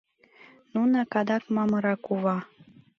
Нунак, адак Мамыра кува.